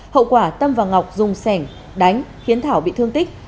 hậu quả tâm và ngọc dùng sẻng đánh khiến thảo bị thương tích